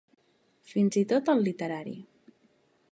Fins i tot el literari.